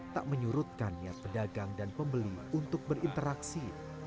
tak menyurutkan niat pedagang dan pembeli untuk berinteraksi